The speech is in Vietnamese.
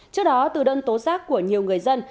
trước đó từ đơn tố giác của nhiều người dân